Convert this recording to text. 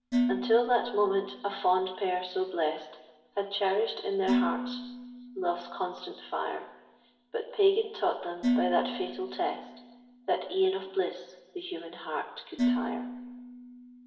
Until that moment a fond pair, so blest, Had cherished in their hearts Love's constant fire: But Pagan taught them by that fatal test, That e'en of bliss the human heart could tire.